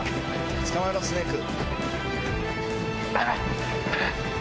捕まえろスネーク。